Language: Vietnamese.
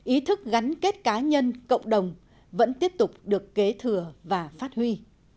ý thức gắn kết cá nhân cộng đồng vẫn tiếp tục được kế thừa và phát huy